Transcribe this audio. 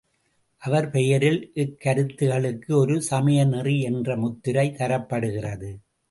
அவர் பெயரில் இக்கருத்துகளுக்கு ஒரு சமய நெறி என்ற முத்திரை தரப்படுகிறது.